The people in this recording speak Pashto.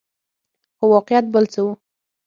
خو واقعیت بل څه وو.